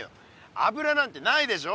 油なんてないでしょ。